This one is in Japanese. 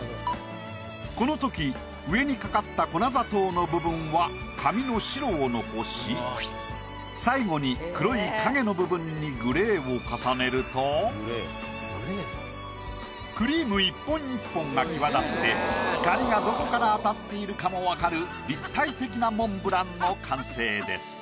このとき上に掛かった粉砂糖の部分は紙の白を残し最後に黒い影の部分にグレーを重ねるとクリーム１本１本が際立って光がどこから当たっているかも分かる立体的なモンブランの完成です。